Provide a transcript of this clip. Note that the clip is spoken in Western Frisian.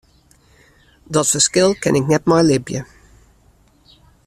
Dat ferskil kin ik net mei libje.